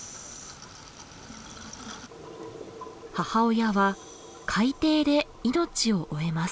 母親は海底で命を終えます。